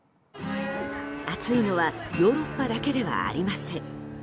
暑いのはヨーロッパだけではありません。